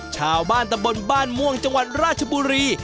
ชาวบ้านตำบลบ้านม่วงจังหวัดราชบุรี